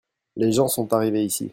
les gens sont arrivés ici.